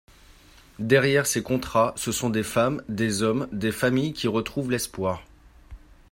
Derrière ces contrats, ce sont des femmes, des hommes, des familles qui retrouvent l’espoir.